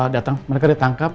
datang mereka ditangkap